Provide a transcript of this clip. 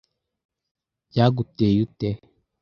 Byaguteye ute?